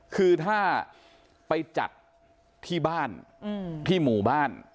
คือถ้าไปจัดที่บ้านที่หมู่บ้าน